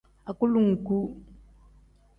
Agulongu.